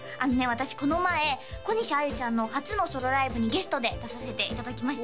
私この前小西杏優ちゃんの初のソロライブにゲストで出させていただきました